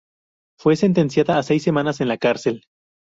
Fue sentenciada a seis semanas en la cárcel.